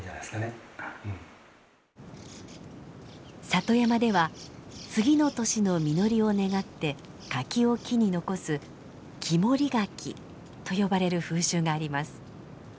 里山では次の年の実りを願って柿を木に残す「木守柿」と呼ばれる風習があります。